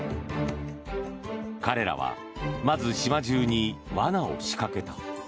彼らはまず島中に罠を仕掛けた。